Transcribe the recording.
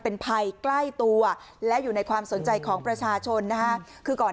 เป็นภัยใกล้ตัวและอยู่ในความสนใจของประชาชนนะคะคือก่อน